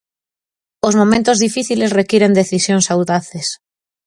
"Os momentos difíciles requiren decisións audaces".